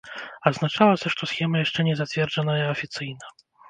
Адзначалася, што схема яшчэ не зацверджаная афіцыйна.